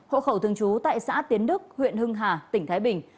hộ khẩu thương chú tại xã tiến đức huyện hưng hà tỉnh thái bình